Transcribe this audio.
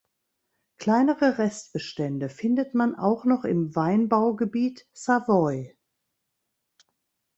Kleinere Restbestände findet man auch noch im Weinbaugebiet Savoie.